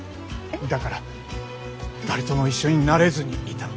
だから誰とも一緒になれずにいた。